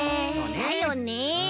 だよねえ。